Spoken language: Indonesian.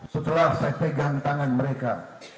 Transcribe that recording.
setelah saya pegang tangan mereka